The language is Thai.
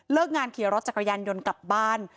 เลิกงานเคลียร์รถจากกระยันยนต์กลับบ้าน